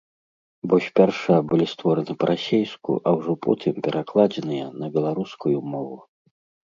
Бо спярша былі створаны па-расейску, а ўжо потым перакладзеныя на беларускую мову.